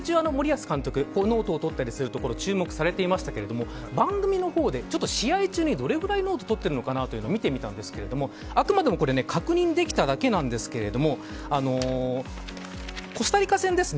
大会中、森保監督ノートをとったりするところが注目されていましたけど番組の方で試合中にどれぐらいノートを取っているのか見てみたんですけどあくまでも確認できただけなんですけどコスタリカ戦ですね。